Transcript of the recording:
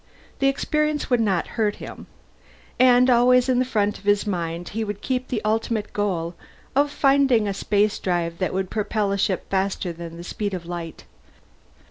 The experience would not hurt him. And always in the front of his mind he would keep the ultimate goal, of finding a spacedrive that would propel a ship faster than the speed of light.